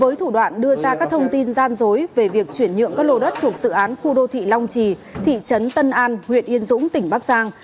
với thủ đoạn đưa ra các thông tin gian dối về việc chuyển nhượng các lô đất thuộc dự án khu đô thị long trì thị trấn tân an huyện yên dũng tỉnh bắc giang